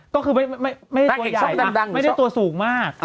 ก็คือไม่ได้ตัวใหญ่ไม่ได้ตัวสูงมาก